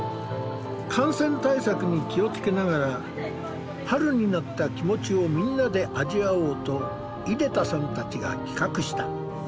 感染対策に気をつけながら春になった気持ちをみんなで味わおうと出田さんたちが企画した。